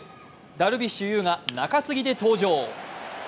ダルビッシュ有が中継ぎで登場。